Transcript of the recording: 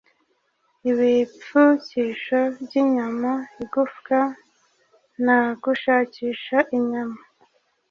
ibipfukisho byinyama igufwa na gushakisha inyama